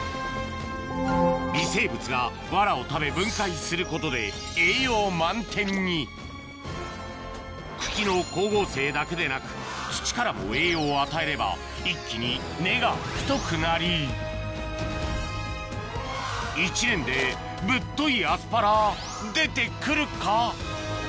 微生物がワラを食べ分解することで栄養満点に茎の光合成だけでなく土からも栄養を与えれば一気に根が太くなり１年でぶっといアスパラ出て来るか？